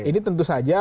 ini tentu saja